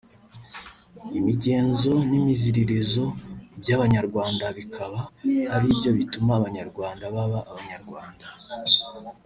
imigenzo n’imiziririzo by’Abanyarwanda bikaba aribyo bituma Abanyarwanda baba Abanyarwanda